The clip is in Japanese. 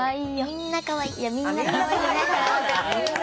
みんなかわいいよ。